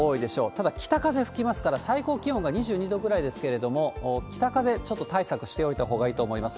ただ北風吹きますから、最高気温が２２度ぐらいですけれども、北風、ちょっと対策しておいたほうがいいと思います。